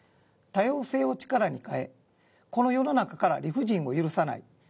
多様性を力に変えこの世の中から理不尽を許さない。